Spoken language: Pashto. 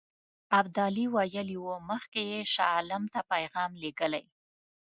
ابدالي ویلي وو مخکې یې شاه عالم ته پیغام لېږلی.